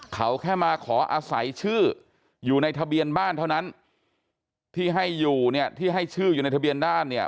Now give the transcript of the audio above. เขาแค่มาขออาศัยชื่ออยู่ในทะเบียนบ้านเท่านั้นที่ให้อยู่เนี่ยที่ให้ชื่ออยู่ในทะเบียนด้านเนี่ย